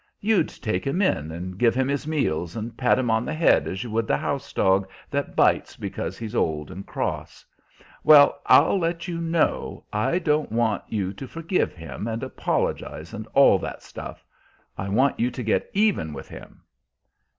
You'd take him in, and give him his meals, and pat him on the head as you would the house dog that bites because he's old and cross. Well, I'll let you know I don't want you to forgive him, and apologize, and all that stuff. I want you to get even with him."